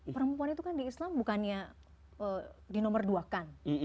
perempuan itu kan di islam bukannya di nomor dua kan